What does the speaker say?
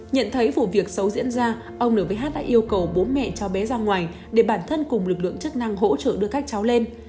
nhận thấy vụ việc xấu diễn ra ông nhh đã yêu cầu bố mẹ cho bé ra ngoài để bản thân cùng lực lượng chức năng hỗ trợ đưa các cháu lên